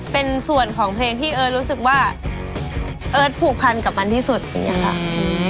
เป็นส่วนของเพลงที่เอิ้นรู้สึกว่าเอิ้นผูกพันกับมันที่สุดอืม